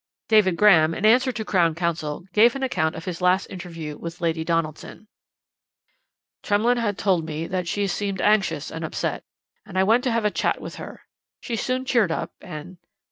"David Graham, in answer to Crown Counsel, gave an account of his last interview with Lady Donaldson. "'Tremlett had told me that she seemed anxious and upset, and I went to have a chat with her; she soon cheered up and....'